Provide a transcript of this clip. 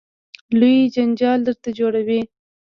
لوی جنجال درته جوړوي.